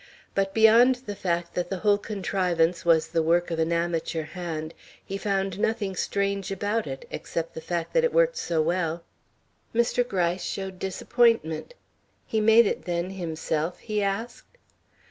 But beyond the fact that the whole contrivance was the work of an amateur hand, he found nothing strange about it, except the fact that it worked so well. Mr. Gryce showed disappointment. "He made it, then, himself?" he asked.